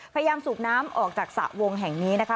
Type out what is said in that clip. สูบน้ำออกจากสระวงแห่งนี้นะคะ